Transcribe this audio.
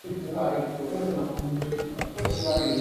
You can do whatever you want.